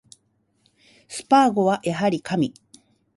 スパーゴはやはり神